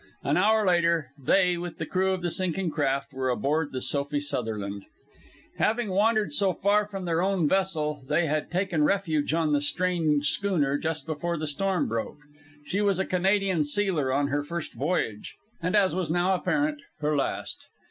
An hour later they, with the crew of the sinking craft, were aboard the Sophie Sutherland. Having wandered so far from their own vessel, they had taken refuge on the strange schooner just before the storm broke. She was a Canadian sealer on her first voyage, and as was now apparent, her last.